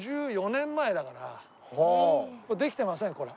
できてませんこれ。